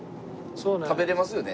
食べられますよね？